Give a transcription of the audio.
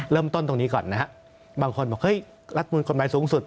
เริ่มต้นตรงนี้ก่อนนะบางคนบอกเฮ้ยรัฐธรรมนูญกฎหมายสูงสุด